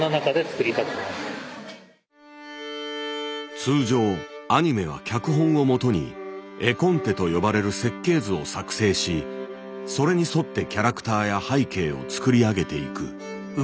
通常アニメは脚本をもとに「画コンテ」と呼ばれる設計図を作成しそれに沿ってキャラクターや背景を作り上げていく。